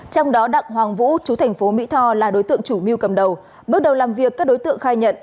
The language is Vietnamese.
trong đó đặng hoàng vũ chú thành phố mỹ tho là đối tượng chủ mưu cầm đầu bước đầu làm việc các đối tượng khai nhận